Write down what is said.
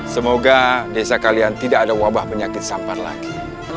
semoga desa kalian tidak ada wabah penyakit sampar lagi